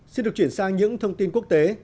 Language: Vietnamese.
xin được chuyển sang những thông tin quốc tế